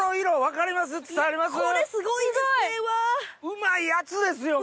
うまいやつですよ